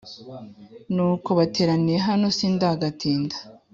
Nuko bateraniye hano sindagatinda